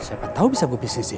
siapa tau bisa gue bisnisin